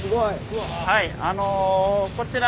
はいあのこちら